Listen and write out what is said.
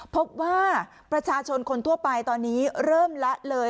พบว่าประชาชนคนทั่วไปตอนนี้เริ่มละเลย